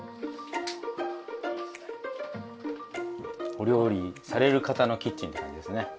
お料理される方のキッチンって感じですね。